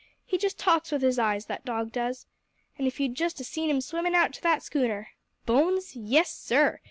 He just talks with his eyes, that dog does. And if you'd just 'a' seen him swimming out to that schooner! Bones? Yes, sir!